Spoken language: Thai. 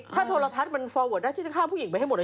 ถ้าโทรทัศน์มันโฟร์เวิร์ดได้ที่จะฆ่าผู้หญิงไปให้หมดนะ